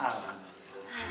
boleh pulang ma